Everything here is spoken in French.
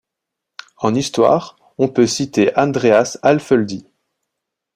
En histoire, on peut citer Andreas Alföldi.